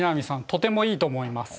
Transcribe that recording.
とてもいいと思います。